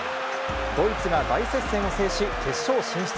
ドイツが大接戦を制し、決勝進出。